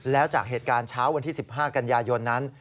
แล้วจากเหตุการณ์เช้าวันที่๑๕กันยายนนั้น